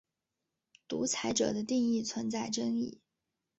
独裁者的定义存在争议。